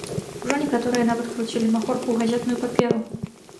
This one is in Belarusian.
Ужо некаторыя нават круцілі махорку ў газетную паперу.